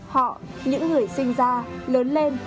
họ những người sinh ra lớn lên